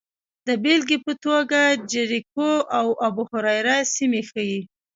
د بېلګې په توګه جریکو او ابوهریره سیمې ښيي